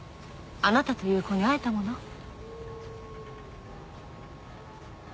あなたという子に会えたもの。